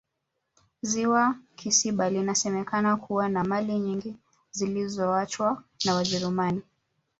ziwa kisiba linasemekana kuwa na mali nyingi zilizoachwa na wajerumani